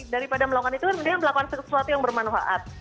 daripada melakukan itu kan mending melakukan sesuatu yang bermanfaat